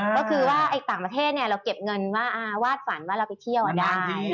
ก็คือว่าต่างประเทศเราเก็บเงินว่าวาดฝันว่าเราไปเที่ยวได้